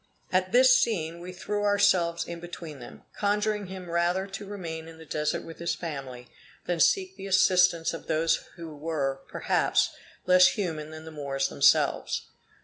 At this scene, we threw ourselves in between them, conjuring him rather to remain in the Desert with his family, than seek the assistance of those who were, perhaps, less human than the Moors themselves.